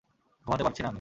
ঘুমাতে পারছি না আমি।